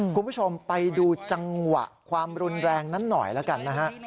คุณผู้ชมไปดูจังหวะความรุนแรงนั้นหน่อยแล้วกันนะฮะ